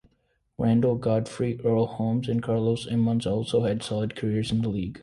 Randall Godfrey, Earl Holmes, and Carlos Emmons also had solid careers in the league.